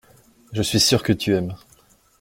Je suis sûr que tu aimes.